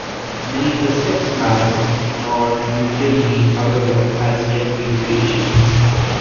Neither "Sex Mad" nor "You Kill Me", however, has yet been reissued.